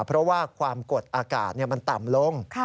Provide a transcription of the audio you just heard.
เพราะว่าความกดอากาศมันต่ำลง